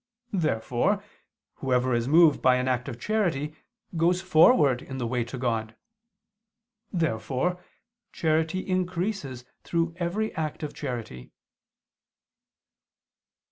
Therefore whoever is moved by an act of charity goes forward in the way to God. Therefore charity increases through every act of charity.